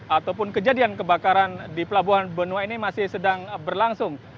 ataupun kejadian kebakaran di pelabuhan benoa ini masih sedang berlangsung